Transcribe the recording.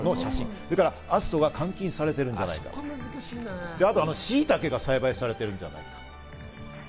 それから篤斗が監禁されているんじゃないかとか、しいたけが栽培されているんじゃないかとか。